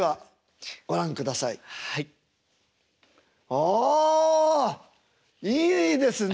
あっいいですね！